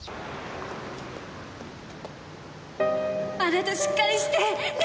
あなたしっかりして！ねぇあなた！